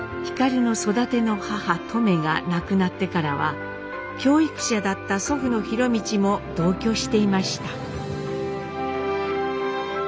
皓の育ての母トメが亡くなってからは教育者だった祖父の博通も同居していました。